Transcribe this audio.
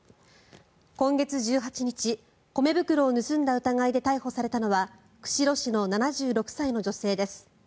今月１８日、米袋を盗んだ疑いで逮捕されたのは釧路市の７６歳の女性です。